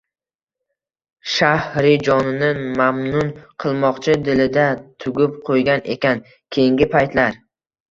Shahrijonini mamnun qilmoqni dilida tugib qo‘ygan ekan keyingi paytlar.